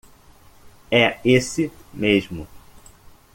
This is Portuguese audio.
É esse mesmo.